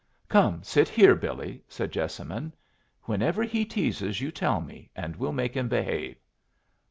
"Come sit here, Billy," said Jessamine. "Whenever he teases, you tell me, and we'll make him behave."